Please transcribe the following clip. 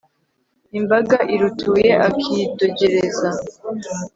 imbaga irutuye akayidogereza